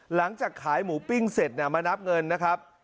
หลังจากขายหมูปิ้งเสร็จมานับเงินนะครับ